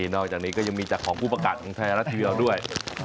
นอกจากนี้ก็ยังมีจากของผู้ประกาศของไทยรัฐทีวีด้วย